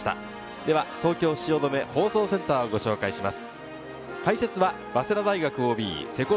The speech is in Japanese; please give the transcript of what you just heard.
では、東京・汐留放送センターをご紹介します。